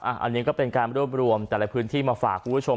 อันนี้ก็เป็นการรวบรวมแต่ละพื้นที่มาฝากคุณผู้ชม